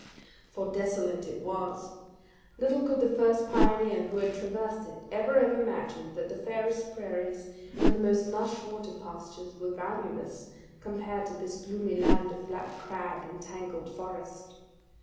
For desolate it was! Little could the first pioneer who had traversed it have ever imagined that the fairest prairies and the most lush water pastures were valueless compared to this gloomy land of black crag and tangled forest.